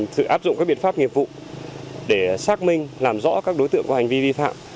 sự áp dụng các biện pháp nghiệp vụ để xác minh làm rõ các đối tượng có hành vi vi phạm